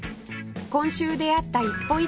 今週出会った一歩一会